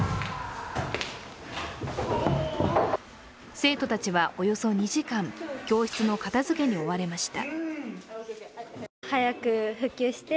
生徒たちはおよそ２時間、教室の片づけに追われました。